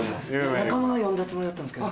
仲間を呼んだつもりだったんですけど。